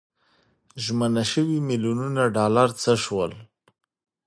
ژمنه شوي میلیونونه ډالر څه شول.